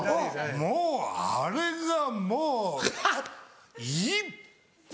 もうあれがもういっぱい！